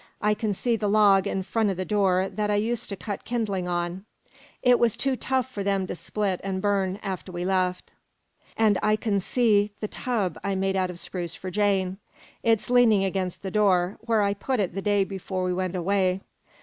"I can see the log in front o' the door that I used to cut kindling on. It was too tough for them to split an' burn after we left. An' I can see the tub I made out o' spruce for Jane. It's leaning next the door, where I put it the day before we went away.